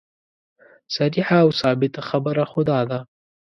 صریحه او ثابته خبره خو دا ده.